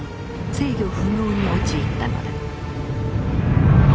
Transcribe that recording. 制御不能に陥ったのだ。